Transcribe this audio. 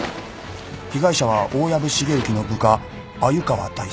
被害者は大藪重之の部下鮎川大介。